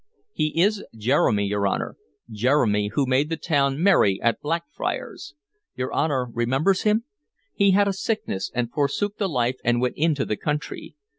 "He is Jeremy, your Honor, Jeremy who made the town merry at Blackfriars. Your Honor remembers him? He had a sickness, and forsook the life and went into the country.